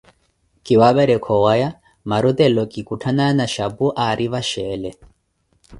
Kiwaperekhaka owaya, marutelo kikutthanana xhapu mmote ari vaxeele.